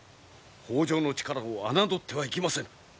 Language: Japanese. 北条の力を侮ってはいけませぬ。